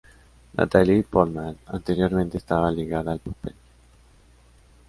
Natalie Portman anteriormente estaba ligada al papel.